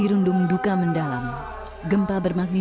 dua itu dengan korban kembali